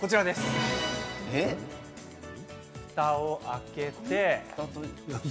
ふたを開けて。